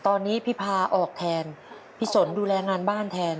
ตอนนี้พี่พาออกแทนพี่สนดูแลงานบ้านแทน